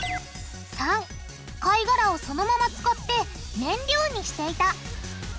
③貝がらをそのまま使って燃料にしていた。